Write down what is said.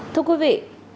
thưa quý vị